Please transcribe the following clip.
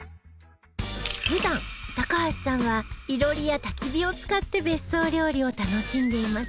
普段高橋さんは囲炉裏や焚き火を使って別荘料理を楽しんでいますが